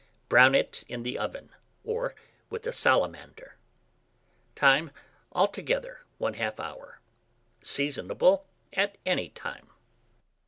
Brown it in the oven, or with a salamander. Time. Altogether, 1/2 hour. Seasonable at any time.